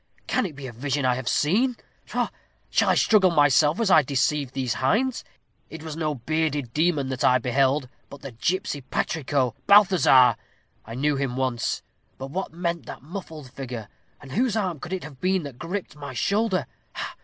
Can it be a vision I have seen? Pshaw! shall I juggle myself as I deceive these hinds? It was no bearded demon that I beheld, but the gipsy patrico, Balthazar. I knew him at once. But what meant that muffled figure; and whose arm could it have been that griped my shoulder?